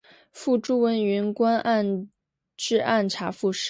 父朱文云官至按察副使。